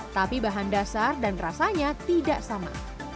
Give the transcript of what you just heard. tapi bahan dasar dan rasanya tidak sama